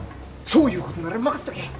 そういうことなら任せとけ。